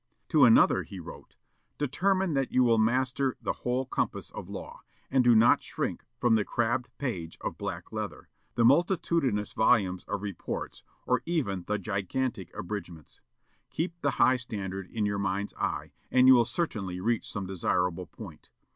To another he wrote, "Determine that you will master the whole compass of law; and do not shrink from the crabbed page of black letter, the multitudinous volumes of reports, or even the gigantic abridgments. Keep the high standard in your mind's eye, and you will certainly reach some desirable point....